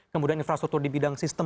kemudian infrastruktur di bidang sistem